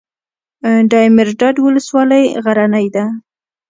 دایمیرداد ولسوالۍ غرنۍ ده؟